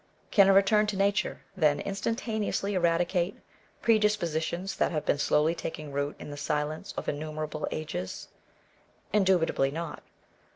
Can a return to nature, then, instantaneously eradicate predis positions that have been slowly taking root in the silence of innumerable ages 1 Indubitably not.